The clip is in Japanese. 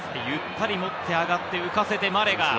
ゆったり持って上がって浮かせてマレガ。